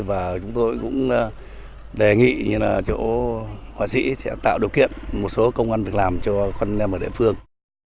và chúng tôi cũng đề nghị như là chỗ họa sĩ sẽ tạo điều kiện một số công an việc làm cho con em ở địa phương